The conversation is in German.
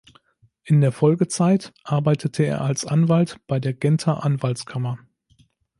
In der Folgezeit arbeitete er als Anwalt bei der Genter Anwaltskammer.